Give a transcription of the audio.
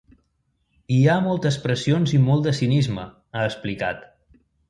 Hi ha moltes pressions i molt de cinisme, ha explicat.